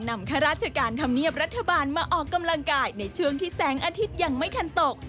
ข้าราชการธรรมเนียบรัฐบาลมาออกกำลังกายในช่วงที่แสงอาทิตย์ยังไม่ทันตก